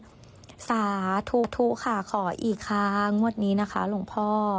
เฮ้ยสาทุกค่ะขออีกครั้งหมดนี้นะคะหลวงพ่อ